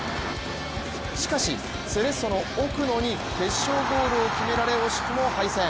しかし、セレッソの奥埜に決勝ゴールを決められ惜しくも敗戦。